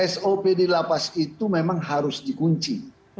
sop di lapas itu memang harus dikunci